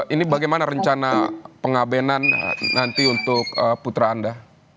ini bagaimana rencana pengabenan nanti untuk putra anda